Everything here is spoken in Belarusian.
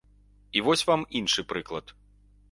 І вось вам іншы прыклад.